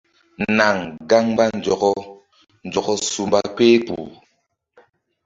Naŋ gaŋ mba nzɔkɔ nzɔkɔ su mba kpehkpuh.